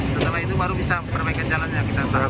setelah itu baru bisa perbaikan jalannya kita tahan